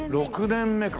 ６年目か。